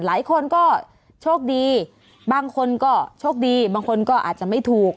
หลายคนก็โชคดีบางคนก็โชคดีบางคนก็อาจจะไม่ถูก